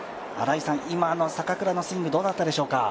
今の坂倉のスイングどうだったでしょうか。